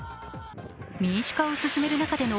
民主化を進める中での